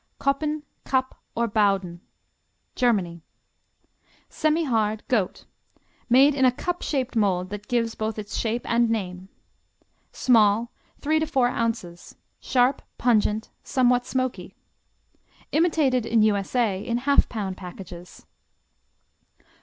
Koppen, Cup, or Bauden Germany Semihard; goat; made in a cup shaped mold that gives both its shape and name. Small, three to four ounces; sharp; pungent; somewhat smoky. Imitated in U.S.A. in half pound packages.